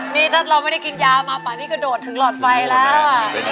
นี่ถ้าเราไม่ได้กินยามาป่านี่กระโดดถึงหลอดไฟแล้ว